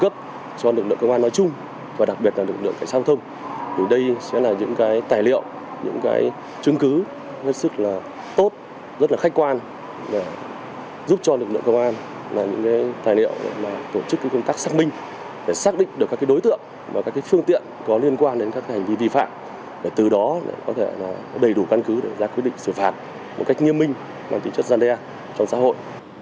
từ đó có thể đầy đủ căn cứ để ra quy định xử phạt một cách nghiêm minh bằng tính chất gian đe trong xã hội